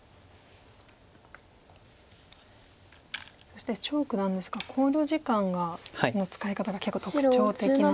そして張九段ですが考慮時間の使い方が結構特徴的な。